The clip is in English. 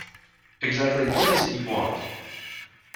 Exactly what is it you want?